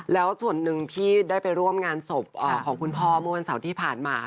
แล้วส่วนหนึ่งที่ได้ไปร่วมงานศพของคุณพ่อเมื่อวันเสาร์ที่ผ่านมา